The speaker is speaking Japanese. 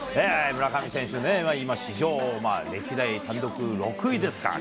村上選手ね、今、史上、歴代単独６位ですか。